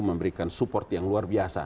memberikan support yang luar biasa